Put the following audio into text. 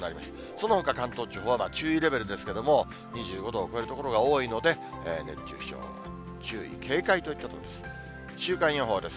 そのほか関東地方は注意レベルですけれども、２５度を超える所が多いので、熱中症に注意、警戒といったところです。